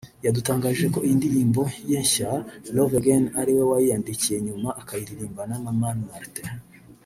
yadutangarije ko iyi ndirimbo ye nshya ‘Love again’ ari we wayiyandikiye nyuma akayiririmbana na Mani Martin